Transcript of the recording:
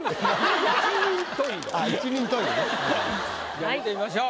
じゃあ見てみましょう。